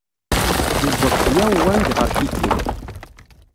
Yewweḍ Xiao Wang ɣer Pikin.